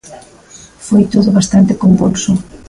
Foi todo bastante convulso.